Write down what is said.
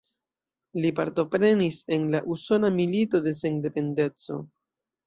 Li partoprenis en la Usona Milito de Sendependeco.